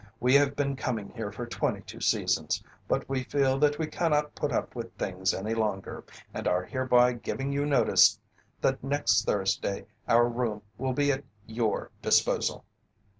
We have been coming here for twenty two seasons, but we feel that we cannot put up with things any longer and are hereby giving you notice that next Thursday our room will be at your disposal."